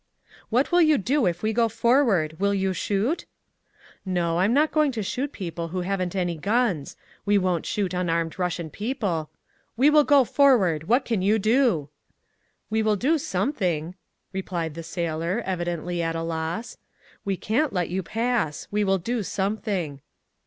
"What will you do if we go forward? Will you shoot?" "No, I'm not going to shoot people who haven't any guns. We won't shoot unarmed Russian people…." "We will go forward! What can you do?" "We will do something," replied the sailor, evidently at a loss. "We can't let you pass. We will do something."